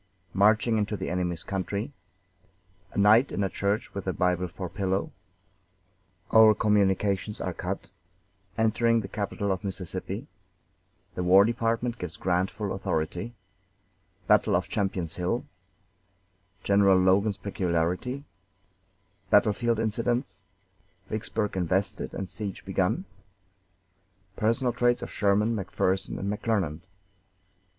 Marching into the enemy's country A night in a church with a Bible for pillow Our communications are cut Entering the capital of Mississippi The War Department gives Grant full authority Battle of Champion's Hill General Logan's peculiarity Battlefield incidents Vicksburg invested and the siege begun Personal traits of Sherman, McPherson, and McClernand.